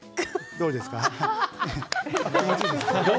どうですか？